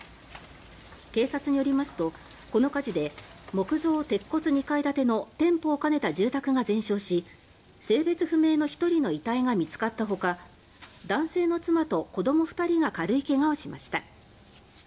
警察によりますとこの火事で木造鉄骨２階建ての店舗を兼ねた住宅が全焼し性別不明の１人の遺体が見つかったほか男性の妻と子ども２人が軽い怪我をしました。